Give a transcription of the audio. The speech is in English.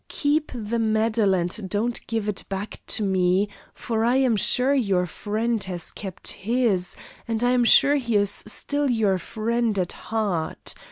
Keep the medal and don't give it back to me, for I am sure your friend has kept his, and I am sure he is still your friend at heart.